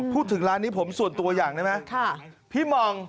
พูดถึงร้านนี้ผมส่วนตัวอย่างนะครับ